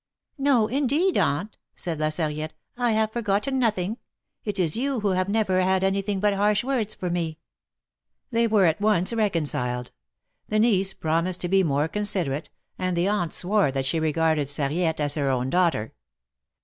''No, indeed, aunt," said La Sarriette, "I have for gotten nothing; it is you who have never had anything but harsh words for me." They were at once reconciled — the niece promised to be more considerate, and the aunt swore that she regarded Sarriette as her own daughter.